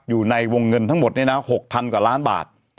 อยู่ในวงเงินทั้งหมด๖๐๐กว่าล้านบาท